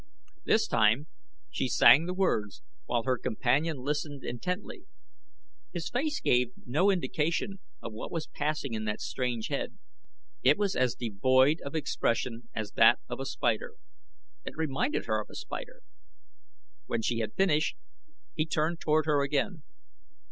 This time she sang the words, while her companion listened intently. His face gave no indication of what was passing in that strange head. It was as devoid of expression as that of a spider. It reminded her of a spider. When she had finished he turned toward her again.